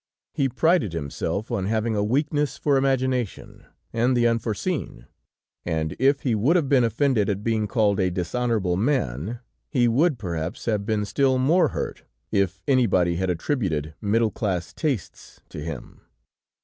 He prided himself on having a weakness for imagination and the unforeseen, and if he would have been offended at being called a dishonorable man, he would, perhaps have been still more hurt if anybody had attributed middle class tastes to him.